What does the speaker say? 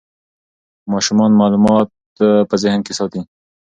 ماشومان معلومات په ذهن کې ساتي.